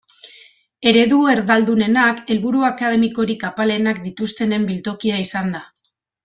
Eredu erdaldunenak helburu akademikorik apalenak dituztenen biltokia izan da.